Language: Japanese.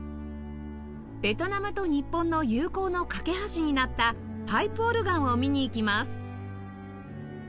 ベトナムと日本の友好の懸け橋になったパイプオルガンを見に行きます